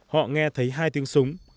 họ nghe thấy hai tiếng súng